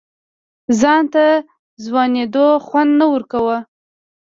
ځان ته ځوانېدو خوند نه ورکوه.